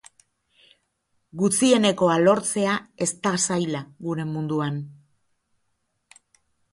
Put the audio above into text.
Gutxienekoa lortzea ez da zaila gure munduan.